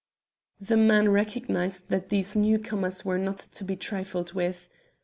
The man recognized that these newcomers were not to be trifled with.